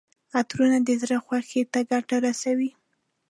عطرونه د زړه خوښۍ ته ګټه رسوي.